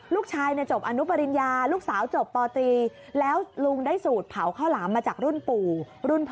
ลูกชายจบอนุปริญญาลูกสาวจบปตรีแล้วลุงได้สูตรเผาข้าวหลามมาจากรุ่นปู่รุ่นพ่อ